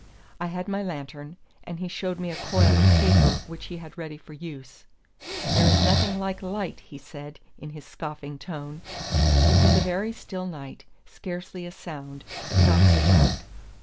I had my lantern; and he showed me a coil of taper which he had ready for use. "There is nothing like light," he said, in his scoffing tone. It was a very still night, scarcely a sound, but not so dark.